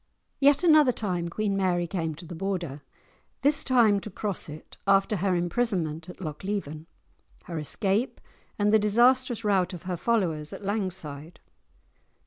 Yet another time Queen Mary came to the Border, this time to cross it—after her imprisonment at Lochleven, her escape, and the disastrous rout of her followers at Langside.